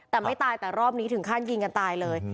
แต่ไม่ตายแต่รอบนี้ถึงขั้นยิงกันตายเลย